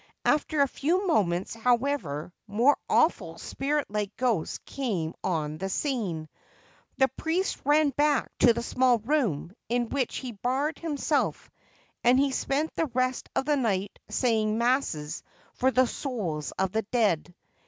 After a few moments, however, more awful spirit like ghosts came on the scene. The priest ran back to the small room, into which he barred himself ; and he spent the rest of the night saying masses for the souls of the dead.